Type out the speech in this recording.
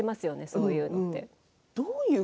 そういうことって。